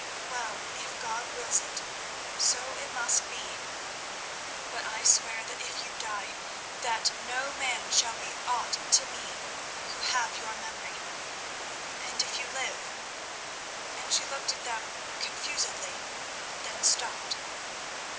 Well, if God wills it, so it must be. But I swear that if you die, that no man shall be aught to me who have your memory, and if you live—" And she looked at them confusedly, then stopped.